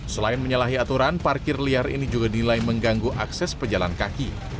selain menyalahi aturan parkir liar ini juga dinilai mengganggu akses pejalan kaki